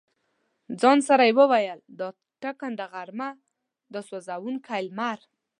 ځان سره مې ویل: دا ټکنده غرمه، دا سوزونکی لمر.